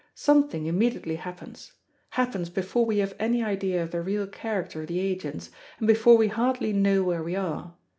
Something immediately happens happens before we have any idea of the real character of the agents, and before we hardly know where we are.